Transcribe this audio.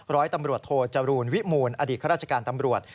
ร้อยตำรวจโทจรูลวิมูลอดีตข้าราชการตำรวจ